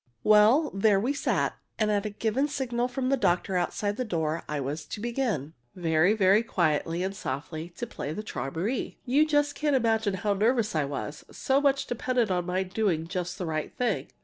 Well, there we sat, and at a given signal from the doctor outside the door I was to begin very, very quietly and softly to play the "Träumerei." You can just imagine how nervous I was so much depended on my doing just the right thing!